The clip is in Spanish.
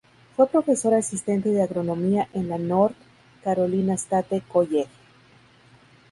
Fue Profesor Asistente de Agronomía en la "North Carolina State College".